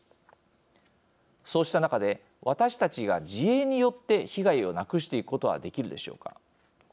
そうした中で私たちが自衛によって被害をなくしていくことはできるでしょうか。